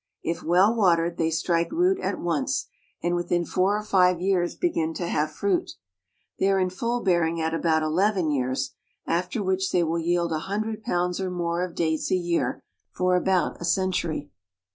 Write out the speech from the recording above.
If well watered, they strike root at once, and within four or five years begin to have fruit. They are in full bearing at about eleven years, after which they will each yield a hundred pounds or more of dates a year for about a century.